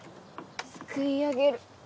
すくい上げる。